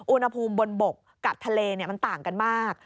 อุณหภูมิบนบกกับทะเลมันต่างกันมาก